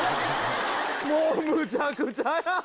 もうむちゃくちゃや。